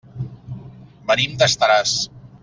Venim d'Estaràs.